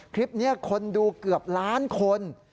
คลิปนี้คนดูเกือบล้านคน